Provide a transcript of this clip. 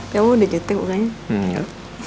kamu udah jutek mukanya